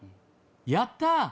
やった！」。